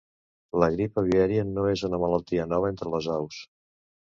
La grip aviària no és una malaltia nova entre les aus.